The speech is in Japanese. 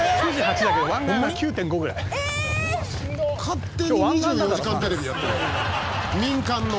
「勝手に『２４時間テレビ』やってる民間の」